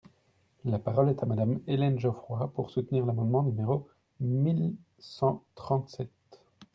La parole est à Madame Hélène Geoffroy, pour soutenir l’amendement numéro mille cent trente-sept.